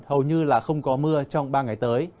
hầu như là không có mưa trong ba ngày tới